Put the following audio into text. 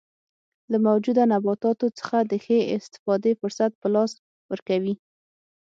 له موجوده نباتاتو څخه د ښې استفادې فرصت په لاس ورکوي.